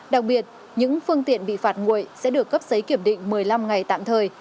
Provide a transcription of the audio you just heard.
đặc biệt những phương tiện bị phạt nguội sẽ được cấp giấy kiểm định một mươi năm ngày tạm thời